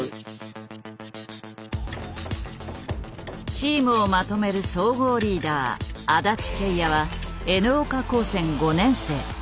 チームをまとめる総合リーダー安達慶哉はＮ岡高専５年生。